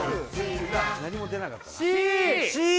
何も出なかったなえっ？